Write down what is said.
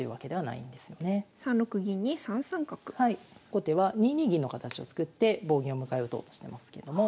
後手は２二銀の形を作って棒銀を迎え撃とうとしてますけれども。